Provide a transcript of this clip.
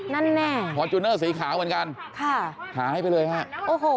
นั่นแน่ฟอร์จูเนอร์สีขาวเหมือนกันค่ะหายไปเลยฮะโอ้โห